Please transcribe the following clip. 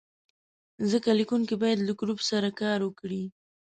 ځکه لیکونکی باید له ګروپ سره کار وکړي.